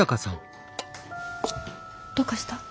どうかした？